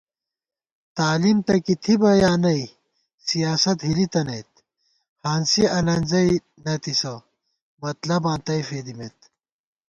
تعلیم تہ کی تھِبہ یا نئ سیاست ہِلی تنَئیت * ہانسی الَنزَئی نَتِسہ مطلباں تئ فېدِمېت